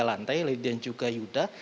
lantai lady dan juga yuda